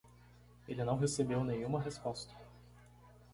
Ele não recebeu nenhuma resposta.